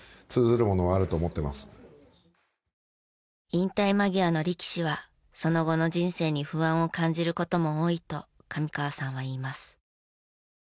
引退間際の力士はその後の人生に不安を感じる事も多いと上河さんは言います。